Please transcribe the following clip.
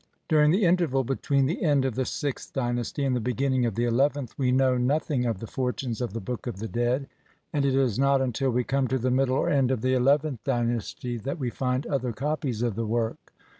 During the interval between the end of the sixth dy nasty and the beginning of the eleventh we know no thing of the fortunes of the Book of the Dead, and it is not until we come to the middle or end of the eleventh dynasty that we find other copies of the work.